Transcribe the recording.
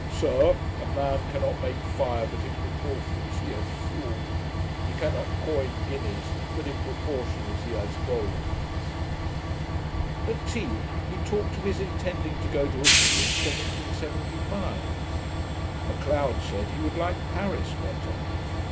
'Sir, a man cannot make fire but in proportion as he has fuel. He cannot coin guineas but in proportion as he has gold.' At tea he talked of his intending to go to Italy in 1775. M'Leod said, he would like Paris better.